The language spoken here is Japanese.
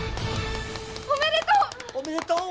おめでとう！